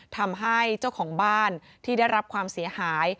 ทำให้เจ้าของบ้านที่ได้รับความเสียหาย